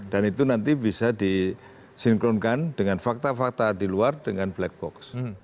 dan itu nanti bisa disinkronkan dengan fakta fakta di luar dengan black box